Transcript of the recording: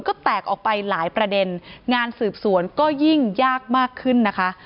ก็แตกออกไปหลายประเด็นงานสืบสวนก็ยิ่งยากมากขึ้นนะคะ